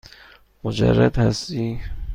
مجرد هستی؟